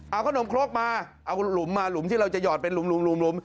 เอาขนมครกมาเอาหลุมมาหลุมที่เราจะหอดเป็นหลุม